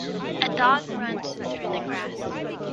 A dog runs through the grass.